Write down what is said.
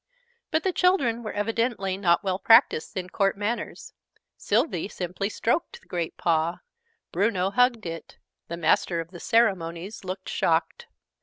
But the children were evidently not well practised in Court manners. Sylvie simply stroked the great paw: Bruno hugged it: the Master of the Ceremonies looked shocked.